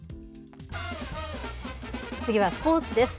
次はスポーツです。